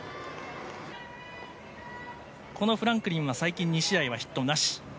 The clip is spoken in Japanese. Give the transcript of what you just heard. このフランクリンは最近２試合はヒットなし。